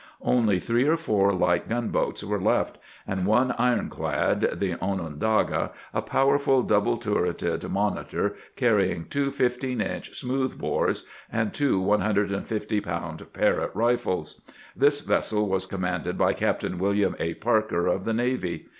Only three or four light gunboats were left, and one ironclad, the Onondaga, a powerful double turreted monitor carrying two 15 inch smooth bores and two 150 pound Parrott rifles. This vessel was commanded by Captain William A. Parker of the navy.